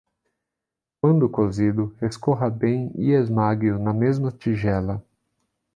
Quando cozido, escorra bem e esmague-o na mesma tigela.